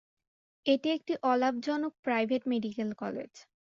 এটি একটি অলাভজনক প্রাইভেট মেডিকেল কলেজ।